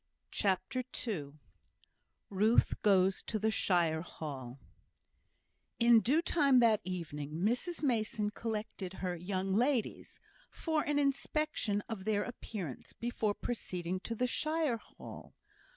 CHAPTER II Ruth Goes to the Shire Hall In due time that evening, Mrs Mason collected "her young ladies" for an inspection of their appearance before proceeding to the shire hall.